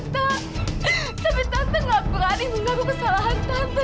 tapi tante gak berani mengganggu kesalahan tante